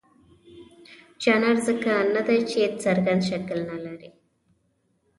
ژانر ځکه نه دی چې څرګند شکل نه لري.